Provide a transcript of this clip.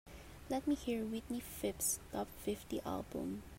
Let me hear Wintley Phipps top fifty album.